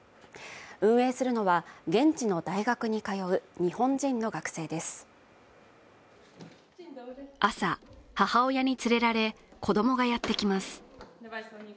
運営するのは現地の大学に通う日本人の学生です朝、母親に連れられ子どもがやってきます